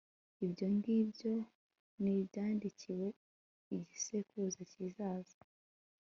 ibyo ngibyo nibyandikirwe igisekuruza kizaza